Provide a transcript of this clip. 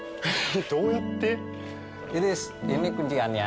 どうやって？